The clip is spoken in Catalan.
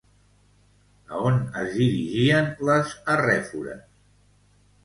A on es dirigien les arrèfores?